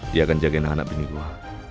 dia akan jagain anak anak bini gua